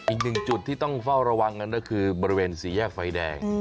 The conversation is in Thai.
อีกหนึ่งจุดที่ต้องเฝ้าระวังกันก็คือบริเวณสี่แยกไฟแดง